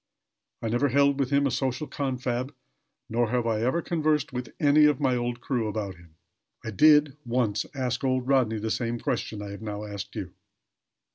I never held with him a social confab; nor have I ever conversed with any of my old crew about him. I did, once, ask old Rodney the same question I have now asked you."